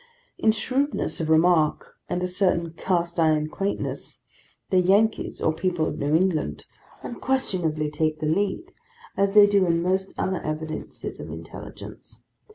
In shrewdness of remark, and a certain cast iron quaintness, the Yankees, or people of New England, unquestionably take the lead; as they do in most other evidences of intelligence.